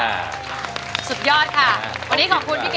วันนี้ขอบคุณพี่เกดแก้วมากนะคะกล่าวขอบคุณค่ะ